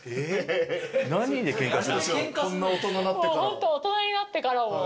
ホント大人になってからも。